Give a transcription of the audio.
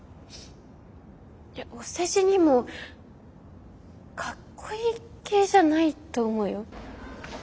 いやお世辞にもかっこいい系じゃないと思うよ。